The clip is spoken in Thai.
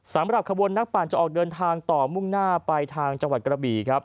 สำหรับขบวนนักปั่นจะออกเดินทางต่อมุ่งหน้าไปทางจังหวัดกระบี่ครับ